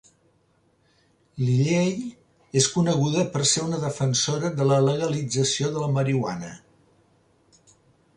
Lilley és coneguda per ser una defensora de la legalització de la marihuana.